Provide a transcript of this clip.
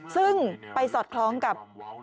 ซึ่งไปสอดคล้องกับ